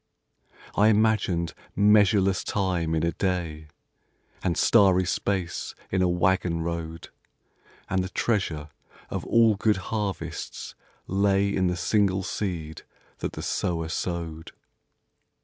I imagined measureless time in a day, And starry space in a waggon road, And the treasure of all good harvests lay In the single seed that the sower sowed.